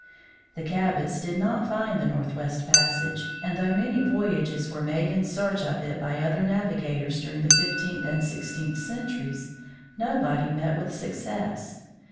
The Cabots did not find the northwest passage; and though many voyages were made in search of it by other navigators during the fifteenth and sixteenth centuries, nobody met with success..